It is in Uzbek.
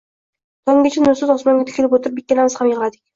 Tonggacha nursiz osmonga tikilib o`tirib ikkalamiz ham yig`ladik